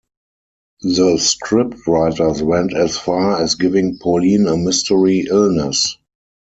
The scriptwriters went as far as giving Pauline a mystery illness.